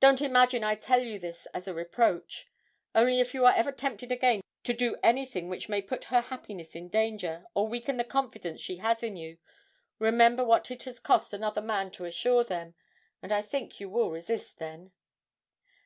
Don't imagine I tell you this as a reproach. Only if you are ever tempted again to do anything which may put her happiness in danger, or weaken the confidence she has in you, remember what it has cost another man to secure them, and I think you will resist then.'